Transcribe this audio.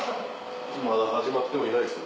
まだ始まってもいないですよ。